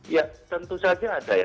ya tentu saja ada ya